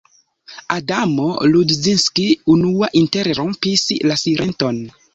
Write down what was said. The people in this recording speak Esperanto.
Adamo Rudzinski unua interrompis la silenton.